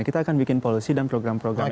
kita akan bikin polisi dan program programnya